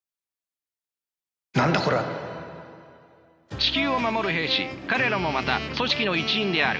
地球を守る兵士彼らもまた組織の一員である。